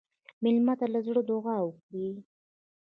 مېلمه ته له زړه دعا وکړئ.